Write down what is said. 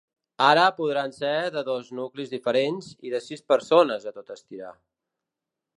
Ara podran ser de dos nuclis diferents i de sis persones a tot estirar.